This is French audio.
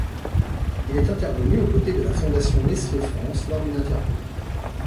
Il est intervenu aux côtés de la fondation Nestlé France lors d'une interview.